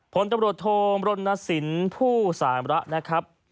ผลตำรวจโทมรณสินผู้สาระนะครับ